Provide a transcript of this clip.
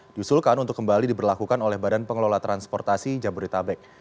diusulkan untuk kembali diberlakukan oleh badan pengelola transportasi jabodetabek